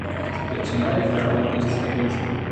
اے چہ لئیب ئے شما دست ءَ پتاتگ